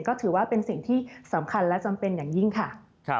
ก็ถือว่าเป็นสิ่งที่สำคัญและจำเป็นอย่างยิ่งค่ะ